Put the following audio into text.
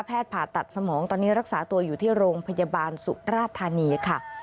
ผ่าตัดสมองตอนนี้รักษาตัวอยู่ที่โรงพยาบาลสุราธานีค่ะ